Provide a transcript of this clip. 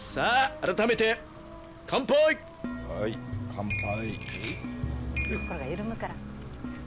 「乾杯」